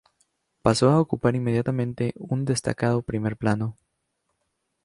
Pasó a ocupar inmediatamente un destacado primer plano.